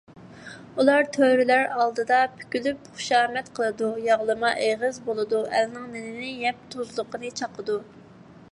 ئۇلار تۆرىلەر ئالدىدا پۈكۈلۈپ، خۇشامەت قىلىدۇ، ياغلىما ئېغىز بولىدۇ، ئەلنىڭ نېنىنى يەپ، تۇزلۇقىنى چاقىدۇ.